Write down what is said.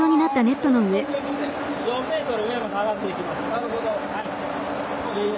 なるほど。